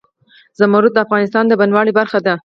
زمرد د افغانستان د بڼوالۍ برخه ده.